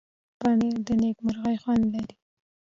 پنېر د نېکمرغۍ خوند لري.